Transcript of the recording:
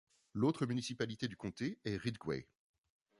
L'autre municipalité du comté est Ridgway.